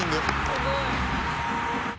すごい。